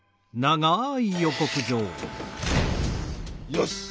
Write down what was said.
よし！